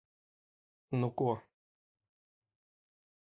Nu ko...